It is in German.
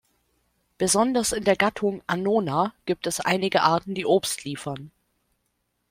Besonders in der Gattung "Annona" gibt es einige Arten, die Obst liefern.